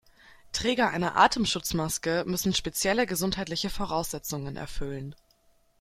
Träger einer Atemschutzmaske müssen spezielle gesundheitliche Voraussetzungen erfüllen.